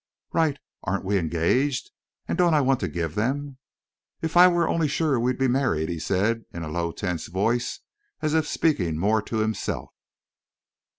"Right! Aren't we engaged? And don't I want to give them?" "If I were only sure we'd be married!" he said, in low, tense voice, as if speaking more to himself.